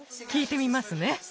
きいてみますね。